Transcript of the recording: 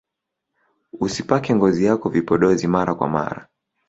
usipake ngozi yako vipodozi mara kwa mara